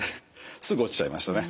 すぐ落ちちゃいましたね。